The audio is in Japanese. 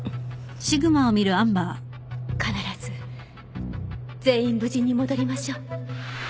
必ず全員無事に戻りましょう。